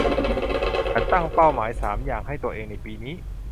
ฉันตั้งเป้าหมายสามอย่างให้ตัวเองในปีนี้